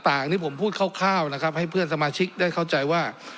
อย่างที่ผมพูดคร่าวนะครับให้เพื่อนสมาชิกได้เข้าใจว่า